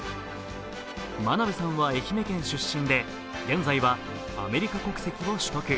真鍋さんは愛媛県出身で現在はアメリカ国籍を取得。